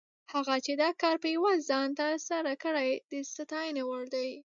هغه چې دا کار په یوازې ځان تر سره کړی، د ستاینې وړ دی.